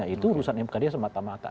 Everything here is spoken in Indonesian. itu urusan mkd semata mata